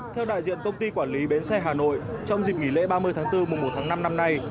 theo đại diện công ty quản lý bến xe hà nội trong dịp nghỉ lễ ba mươi tháng bốn mùa một tháng năm năm nay